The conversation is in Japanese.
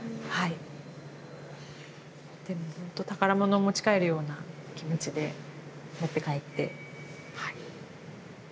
ほんと宝物を持ち帰るような気持ちで持って帰ってはい。